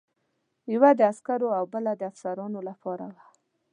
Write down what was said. یوه د عسکرو او بله د افسرانو لپاره وه.